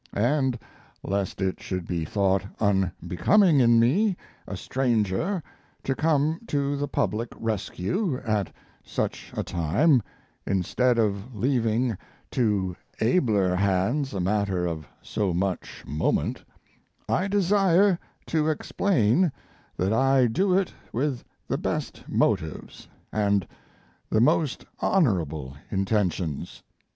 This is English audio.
And lest it should be thought unbecoming in me, a stranger, to come to the public rescue at such a time, instead of leaving to abler hands a matter of so much moment, I desire to explain that I do it with the best motives and the most honorable intentions.